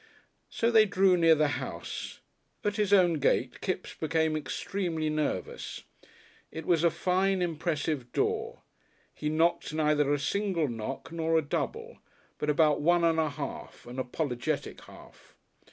So they drew near the house. At his own gate Kipps became extremely nervous. It was a fine, impressive door. He knocked neither a single knock nor a double, but about one and a half an apologetic half.